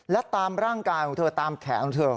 และตามร่างกายของเธอตามแขนของเธอ